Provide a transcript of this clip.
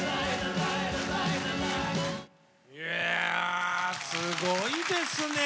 いやあすごいですね